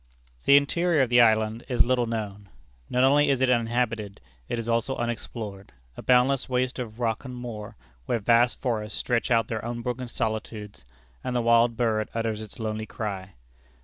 The interior of the island is little known. Not only is it uninhabited, it is almost unexplored, a boundless waste of rock and moor, where vast forests stretch out their unbroken solitudes, and the wild bird utters its lonely cry.